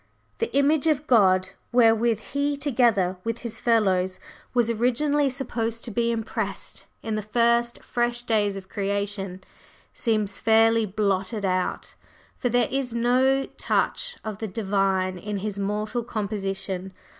The "image of God" wherewith he, together with his fellows, was originally supposed to be impressed in the first fresh days of Creation, seems fairly blotted out, for there is no touch of the Divine in his mortal composition.